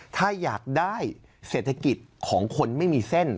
ถ้าอยากได้เศรษฐกิจของคนไม่มีเส้น